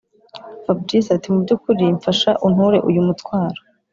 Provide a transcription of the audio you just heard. fabric ati”mubyukuri mfasha unture uyu mutwaro”